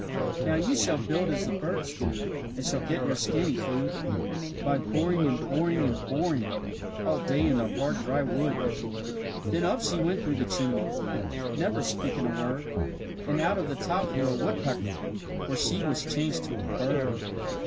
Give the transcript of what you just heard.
"Now, you shall build as the birds do, And shall get your scanty food By boring, and boring, and boring, All day in the hard dry wood." Then up she went through the chimney, Never speaking a word, And out of the top flew a woodpecker, For she was changed to a bird.